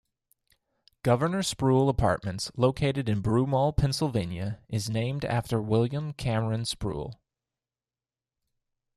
Governor Sproul Apartments located in Broomall, Pennsylvania, is named after William Cameron Sproul.